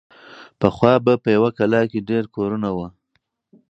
پخوا به په یوه کلا کې ډېر کورونه وو.